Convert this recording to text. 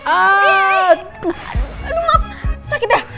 aduh maaf sakit dah